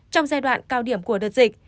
trong giai đoạn cao điểm của đợt dịch